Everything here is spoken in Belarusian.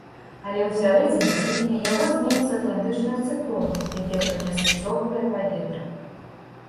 Але ў сярэдзіне тыдня яго зменяць атлантычныя цыклоны, якія прынясуць цёплае паветра.